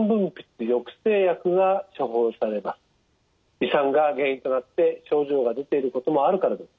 胃酸が原因となって症状が出ていることもあるからです。